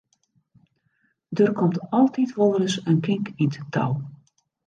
Der komt altyd wolris in kink yn 't tou.